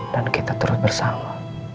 dan kita terus bersama